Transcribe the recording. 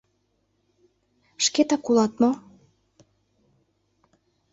Шкетак улат мо?